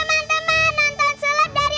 aku juga bahasa inggris